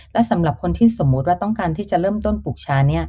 และสำหรับคนที่สมมุติว่าต้องการที่จะเริ่มต้นปลูกชานี้